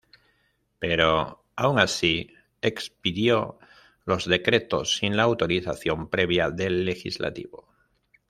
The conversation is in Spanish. Pero, aun así, expidió los decretos sin la autorización previa del Legislativo.